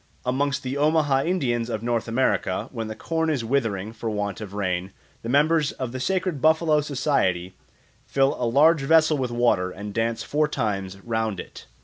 Amongst the Omaha Indians of North America, when the corn is withering for want of rain, the members of the sacred Buffalo Society fill a large vessel with water and dance four times round it.